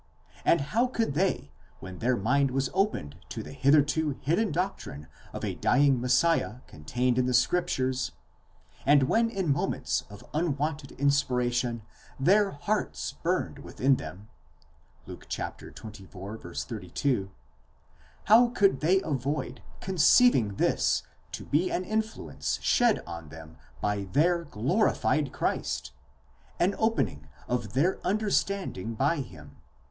and how could they, when their mind was opened to the hitherto hidden doctrine of a dying Messiah contained in the scriptures, and when in moments of unwonted inspir ation their hearts burned within them (Luke xxiy. 32),—how could they avoid conceiving this to be an influence shed on them by their glorified Christ, an opening of their understanding by him (v.